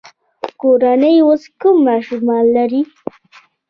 کورنۍ اوس کم ماشومان لري.